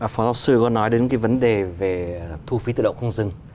phó giáo sư có nói đến cái vấn đề về thu phí tự động không dừng